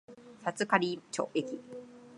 札苅駅